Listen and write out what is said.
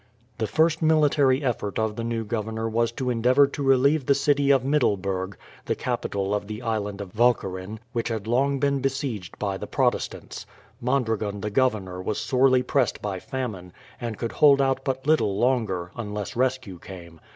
The first military effort of the new governor was to endeavour to relieve the city of Middleburg, the capital of the Island of Walcheren, which had long been besieged by the Protestants. Mondragon the governor was sorely pressed by famine, and could hold out but little longer, unless rescue came.